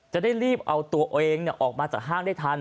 จะได้รีบเอาตัวเองออกมาจากห้างได้ทัน